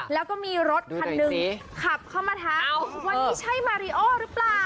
แล้วก็มีรถคันหนึ่งขับเข้ามาถามว่านี่ใช่มาริโอหรือเปล่า